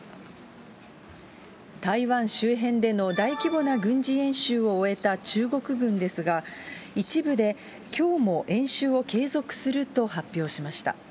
台湾周辺での大規模な軍事演習を終えた中国軍ですが、一部できょうも演習を継続すると発表しました。